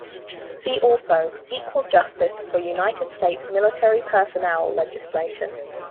See also Equal Justice for United States Military Personnel legislation.